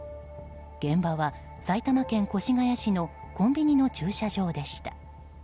現場は埼玉県越谷市のコンビニの駐車場でした。